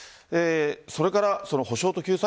それから補償と救済